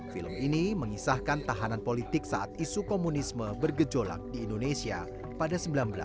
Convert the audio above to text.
film ini mengisahkan tahanan politik saat isu komunisme bergejolak di indonesia pada seribu sembilan ratus delapan puluh